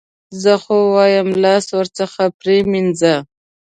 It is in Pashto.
زه خو وایم لاس ورڅخه پرې مینځه.